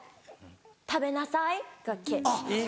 「食べなさい」が「け」。